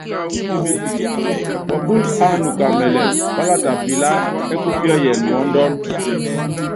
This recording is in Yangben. Pɔpúl ánuka mɛlɛŋ, pálata pilaá ɛ́ kupíɛ́yɛn nuɔ́ndɔ́n.